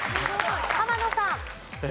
浜野さん。